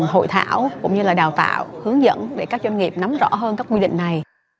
các doanh nghiệp sẽ có thể tham khảo cũng như là đào tạo hướng dẫn để các doanh nghiệp nắm rõ hơn các quy định này